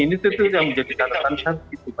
ini tentu yang menjadi garasan satu